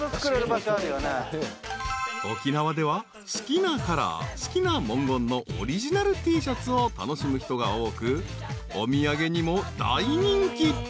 ［沖縄では好きなカラー好きな文言のオリジナルＴシャツを楽しむ人が多くお土産にも大人気］